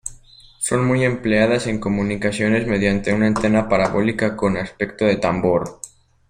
Son muy empleadas en comunicaciones mediante una antena parabólica con aspecto de tambor.